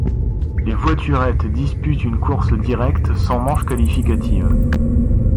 Les voiturettes disputent une course directe, sans manche qualificative.